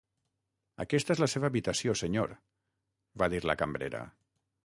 "Aquesta és la seva habitació, senyor", va dir la cambrera.